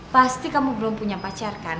pasti kamu belum punya pacar kan